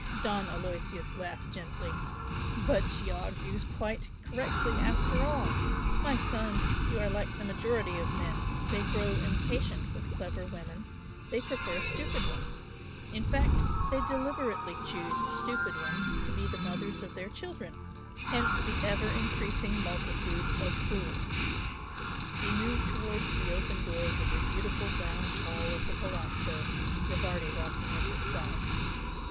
Don Aloysius laughed gently. "But she argues quite correctly after all! My son, you are like the majority of men they grow impatient with clever women, they prefer stupid ones. In fact they deliberately choose stupid ones to be the mothers of their children hence the ever increasing multitude of fools!" He moved towards the open doors of the beautiful lounge hall of the Palazzo, Rivardi walking at his side.